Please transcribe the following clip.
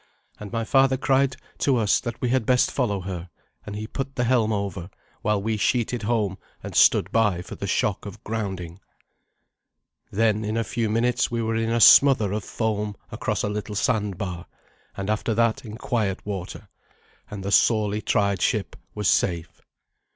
And my father cried to us that we had best follow her; and he put the helm over, while we sheeted home and stood by for the shock of grounding. Then in a few minutes we were in a smother of foam across a little sand bar, and after that in quiet water, and the sorely tried ship was safe.